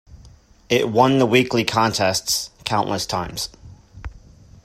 It won the weekly contests countless times.